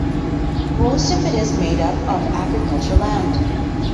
Most of it is made up of agricultural land.